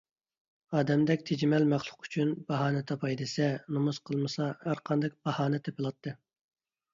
ئادەمدەك تىجىمەل مەخلۇق ئۈچۈن باھانە تاپاي دېسە، نومۇس قىلمىسا ھەرقانداق باھانە تېپىلاتتى.